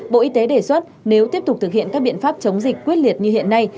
bộ y tế đề xuất nếu tiếp tục thực hiện các biện pháp chống dịch quyết liệt như hiện nay